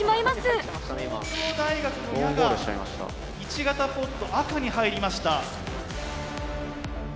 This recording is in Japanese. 東京大学の矢が１型ポット赤にはいりました。